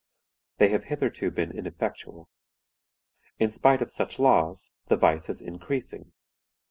They have hitherto been ineffectual. In spite of such laws, the vice is increasing.